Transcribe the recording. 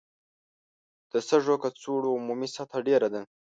د سږو کڅوړو عمومي سطحه ډېره ده.